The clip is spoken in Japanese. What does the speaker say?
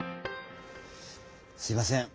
すいません。